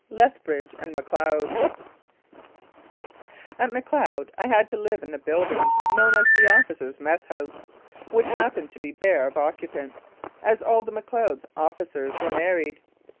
LETHBRIDGE AND MACLEOD AT Macleod I had to live in the buildings known as "the Officers' Mess house," which happened to be bare of occupants, as all the Macleod officers were married.